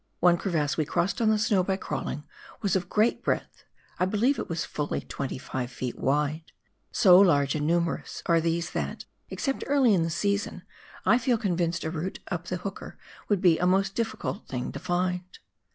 One crevasse we crossed on the snow by crawling was of great breadth — I believe it was fully 25 ft. wide. So large and numerous are these that, except early in the season, I feel convinced a route up the Hooker would be a most difficult thing to find.